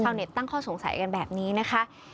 เจ้าเน็ตตั้งข้อสงสัยกันแบบนี้นะคะ